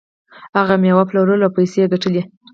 هغه میوه پلورله او پیسې یې ګټلې.